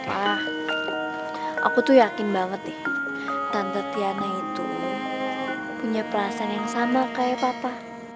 ah aku tuh yakin banget ya tante tiana itu punya perasaan yang sama kayak papa